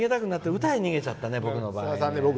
歌に逃げちゃったね、僕の場合。